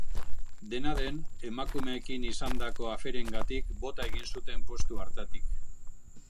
Dena den, emakumeekin izandako aferengatik bota egin zuten postu hartatik.